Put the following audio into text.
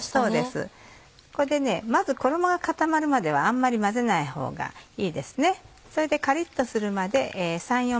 ここでまず衣が固まるまではあんまり混ぜないほうがいいですね。